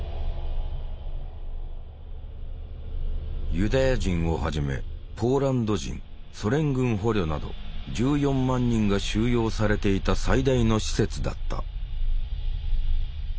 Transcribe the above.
ユダヤ人をはじめポーランド人ソ連軍捕虜など１４万人が収容されていた最大の施設だった。